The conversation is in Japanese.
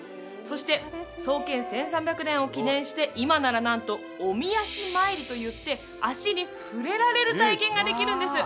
そして創建１３００年を記念して今ならなんとお御足参りといって足に触れられる体験ができるんです